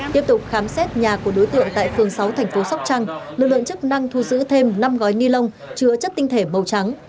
tiếp tục khám xét nhà của đối tượng tại phường sáu thành phố sóc trăng lực lượng chức năng thu giữ thêm năm gói ni lông chứa chất tinh thể màu trắng